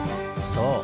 そう！